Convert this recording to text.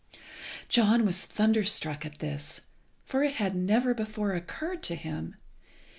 John was thunderstruck at this, for it had never before occurred to him.